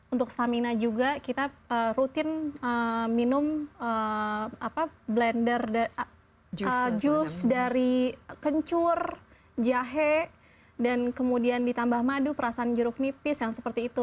untuk stamina juga kita rutin minum blender jus dari kencur jahe dan kemudian ditambah madu perasaan jeruk nipis yang seperti itu